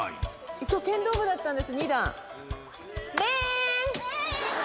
一応、剣道部だったんです、二段。面！